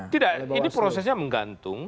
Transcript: tidak ini prosesnya menggantung